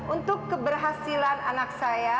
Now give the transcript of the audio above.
untuk keberhasilan anak saya